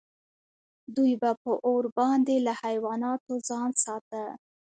دوی به په اور باندې له حیواناتو ځان ساته.